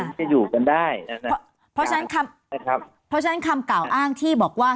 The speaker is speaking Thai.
มันจึงจะอยู่กันได้นะฮะเพราะฉะนั้นคำเพราะฉะนั้นคำเก่าอ้างที่บอกว่า